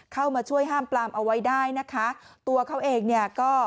เข้ามาช่วยห้ามปลามเอาไว้ได้นะคะตัวเขาเองเนี่ยก็